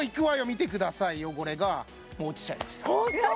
見てください汚れがもう落ちちゃいました